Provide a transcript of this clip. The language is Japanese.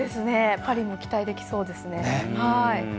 パリも期待できそうですね。